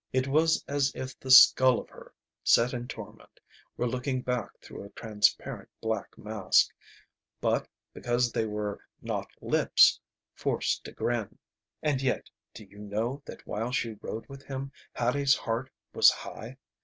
It was as if the skull of her, set in torment, were looking through a transparent black mask, but, because there were not lips, forced to grin. And yet, do you know that while she rode with him Hattie's heart was high?